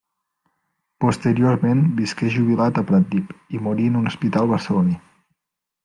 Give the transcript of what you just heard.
Posteriorment visqué jubilat a Pratdip, i morí en un hospital barceloní.